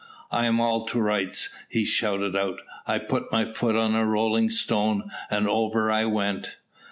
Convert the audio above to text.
"I am all to rights," he shouted out. "I put my foot on a rolling stone, and over I went."